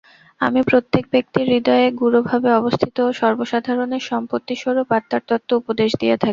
আমি প্রত্যেক ব্যক্তির হৃদয়ে গূঢ়ভাবে অবস্থিত ও সর্বসাধারণের সম্পত্তিস্বরূপ আত্মার তত্ত্ব উপদেশ দিয়া থাকি।